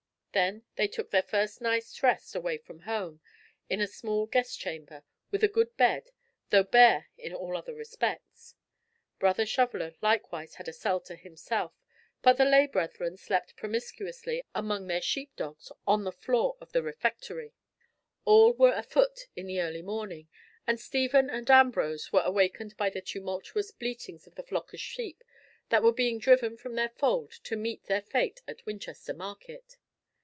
Then they took their first night's rest away from home, in a small guest chamber, with a good bed, though bare in all other respects. Brother Shoveller likewise had a cell to himself, but the lay brethren slept promiscuously among their sheep dogs on the floor of the refectory. All were afoot in the early morning, and Stephen and Ambrose were awakened by the tumultuous bleatings of the flock of sheep that were being driven from their fold to meet their fate at Winchester market.